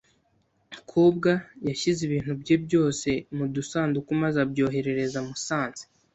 Kobwa yashyize ibintu bye byose mu dusanduku maze abyoherereza Musanze.